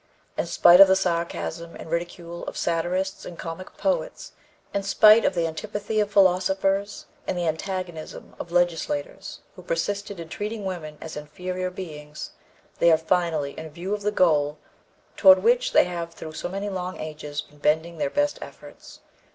In spite of the sarcasm and ridicule of satirists and comic poets, in spite of the antipathy of philosophers and the antagonism of legislators who persisted in treating women as inferior beings, they are finally in view of the goal toward which they have through so many long ages been bending their best efforts.